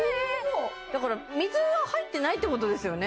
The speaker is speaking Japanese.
だから水は入ってないってことですよね？